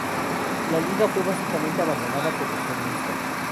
La Liga fue básicamente abandonada por los comunistas.